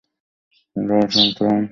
দাঁড়া, শান্ত হ।